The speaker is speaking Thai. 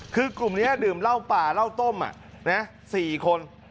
คือกลุ่มนี้ดื่มล่าวป่าล่าวต้มสี่คน